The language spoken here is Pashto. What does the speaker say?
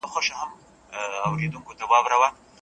افغان کډوال په مهمو سیاسي چارو کي برخه نه اخلي.